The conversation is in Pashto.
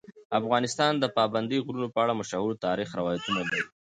افغانستان د پابندی غرونه په اړه مشهور تاریخی روایتونه لري.